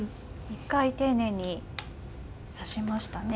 一回丁寧に指しましたね。